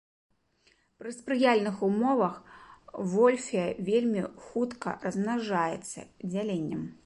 Пры спрыяльных умовах вольфія вельмі хутка размнажаецца дзяленнем.